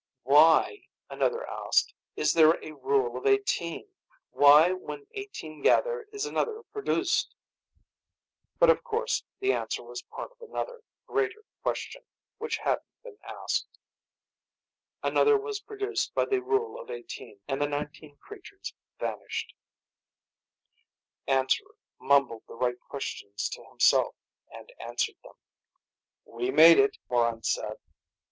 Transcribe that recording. "Why," another asked, "Is there a rule of eighteen? Why, when eighteen gather, is another produced?" But of course the answer was part of another, greater question, which hadn't been asked. Another was produced by the rule of eighteen, and the nineteen creatures vanished. Answerer mumbled the right questions to himself, and answered them. "We made it," Morran said.